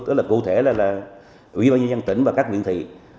tức là cụ thể là ủy ban nhân dân tỉnh và các nguyện thị